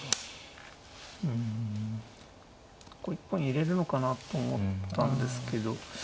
うんこれ一本入れるのかなと思ったんですけど。